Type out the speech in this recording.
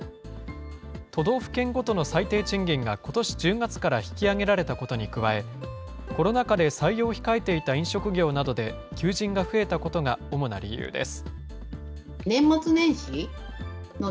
都道府県ごとの最低賃金がことし１０月から引き上げられたことに加え、コロナ禍で採用を控えていた飲食業などで、求人が増えたことが主な理由です。